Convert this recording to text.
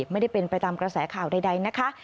ไม่ได้เป็นไปตามกระแสข่าวใดนะคะ